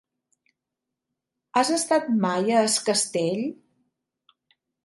Has estat mai a Es Castell?